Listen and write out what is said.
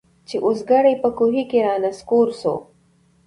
چي اوزګړی په کوهي کي را نسکور سو